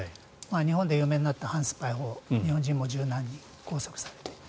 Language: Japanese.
日本で有名になった反スパイ法日本人も１０何人拘束されている。